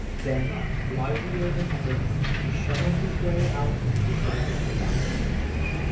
Then, livelier than ever, he shovelled his way out to the surface to find a mate.